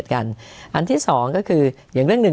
กันอันที่สองก็คืออย่างเรื่อง๑